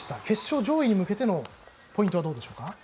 決勝、上位に向けてのポイントはどうですか。